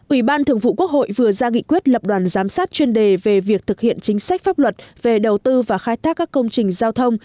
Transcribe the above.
ủy ban thường vụ quốc hội vừa ra nghị quyết lập đoàn giám sát chuyên đề về việc thực hiện chính sách pháp luật về đầu tư và khai thác các công trình giao thông